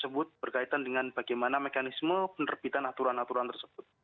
berkaitan dengan bagaimana mekanisme penerbitan aturan aturan tersebut